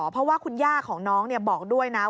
เพราะว่าคุณย่าของน้องบอกด้วยนะ